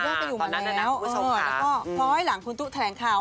ตอนนั้นนะครับคุณผู้ชมค่ะเออแล้วก็หลังคุณตุ๊กแถลงข่าว